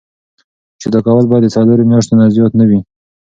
جدا کول باید د څلورو میاشتو نه زیات نه وي.